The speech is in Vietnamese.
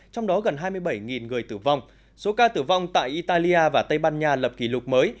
trong đó gần hai mươi bảy người tử vong số ca tử vong tại italia và tây ban nha lập kỷ lục mới